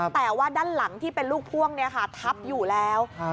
แต่ว่าด้านหลังที่เป็นลูกพ่วงทับอยู่แล้ว